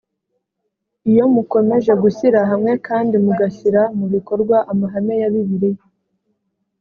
iyo mukomeje gushyira hamwe kandi mugashyira mu bikorwa amahame ya bibiliya